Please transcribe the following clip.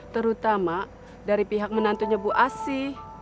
terutama dari pihak menantunya bu asih